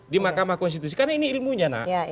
di makamah konstitusi karena ini ilmunya